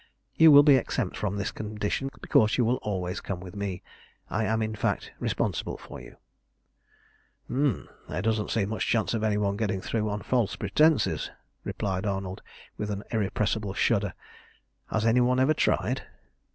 You will be exempt from this condition, because you will always come with me. I am, in fact, responsible for you." "H'm, there doesn't seem much chance of any one getting through on false pretences," replied Arnold, with an irrepressible shudder. "Has any one ever tried?"